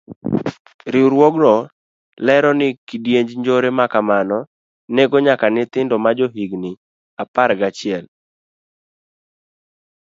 Riwruogno olero ni kidienj njore makamano nego nyaka nyithindo majo higni apar gi achiel.